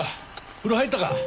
風呂入ったか？